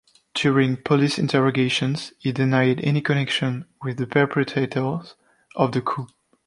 During police interrogations, he denied any connection with the perpetrators of the coup.